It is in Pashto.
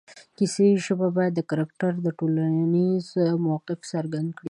د کیسې ژبه باید د کرکټر ټولنیز موقف څرګند کړي